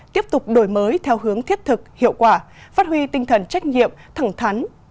tiếp tục đổi mới theo hướng thiết thực hiệu quả phát huy tinh thần trách nhiệm thẳng thắn